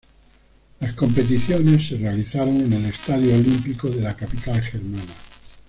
Las competiciones se realizaron en el Estadio Olímpico de la capital germana.